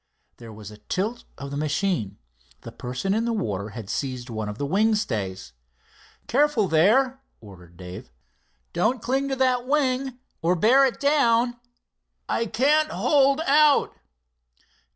There was a tilt of the machine. The person in the water had seized one of the wing stays. "Careful, there," ordered Dave. "Don't cling to that wing or bear it down." "I can't hold out."